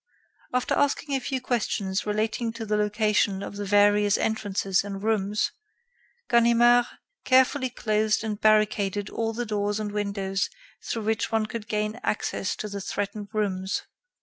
After asking a few questions relating to the location of the various entrances and rooms, Ganimard carefully closed and barricaded all the doors and windows through which one could gain access to the threatened rooms.